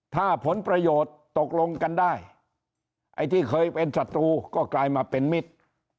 ถ้าผลประโยชน์ตกลงกันได้ไอ้ที่เคยเป็นศัตรูก็กลายมาเป็นมิตร